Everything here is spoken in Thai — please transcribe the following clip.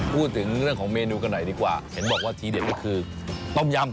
พูดถึงเรื่องของเมนูกันหน่อยดีกว่าเห็นบอกว่าทีเด็ดก็คือต้มยำ